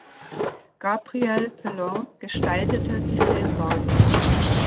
Gabriel Pellon gestaltete die Filmbauten.